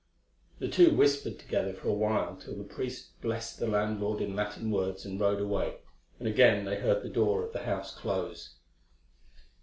The two whispered together for a while till the priest blessed the landlord in Latin words and rode away, and again they heard the door of the house close.